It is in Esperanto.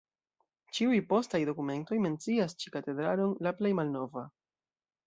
Ĉiuj postaj dokumentoj mencias ĉi katedralon la plej malnova.